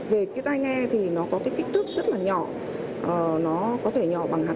về cái tai nghe thì nó có cái kích thước rất là nhỏ nó có thể nhỏ bằng hạt